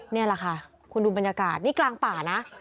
นี่แหละค่ะคุณดูบรรยากาศนี่กลางป่านะ